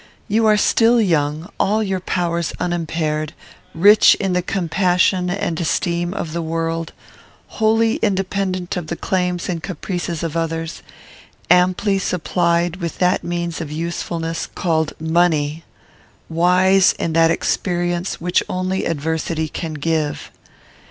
You are still young; all your powers unimpaired; rich in the compassion and esteem of the world; wholly independent of the claims and caprices of others; amply supplied with that means of usefulness, called money; wise in that experience which only adversity can give.